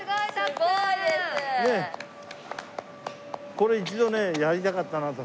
これ一度ねやりたかったなと。